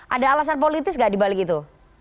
ada alasan politis nggak dibalik itu